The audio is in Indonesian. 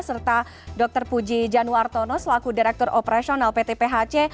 serta dr puji januartono selaku direktur operasional pt phc